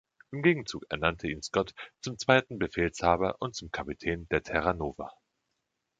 Im Gegenzug ernannte ihn Scott zum zweiten Befehlshaber und zum Kapitän der „Terra Nova“.